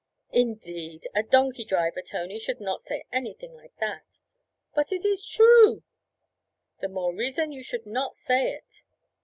"' 'Indeed! A donkey driver, Tony, should not say anything like that.' 'But it is true.' 'The more reason you should not say it.'